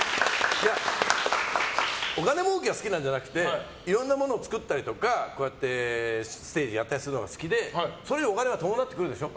お金もうけが好きなんじゃなくていろんなものを作ったりとかステージやったりするのが好きでそれにお金が伴ってくるでしょ。